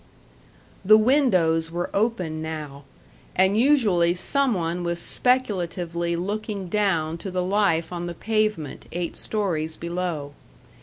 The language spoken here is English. The windows were open now, and usually some one was speculatively looking down to the life on the pavement, eight stories below.